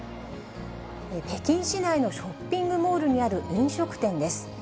北京市内のショッピングモールにある飲食店です。